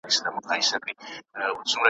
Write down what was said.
هم پخپله څاه کینو هم پکښي لوېږو `